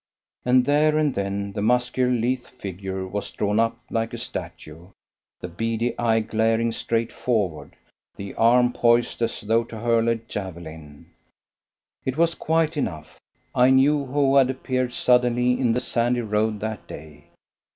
And there and then the muscular lithe figure was drawn up like a statue; the beady eye glaring straight forward, the arm poised as though to hurl a javelin. It was quite enough I knew who had appeared suddenly in the sandy road that day.